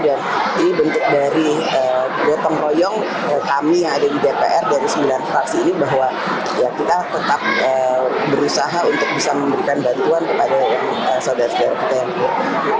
dan ini bentuk dari gotong royong kami yang ada di dpr dari sembilan fraksi ini bahwa kita tetap berusaha untuk bisa memberikan bantuan kepada saudara saudara kita yang diperlukan